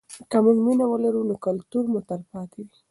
که موږ مینه ولرو نو کلتور مو تلپاتې وي.